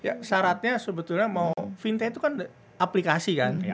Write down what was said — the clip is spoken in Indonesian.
ya syaratnya sebetulnya mau fintech itu kan aplikasi kan